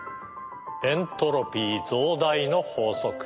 エントロピー増大の法則。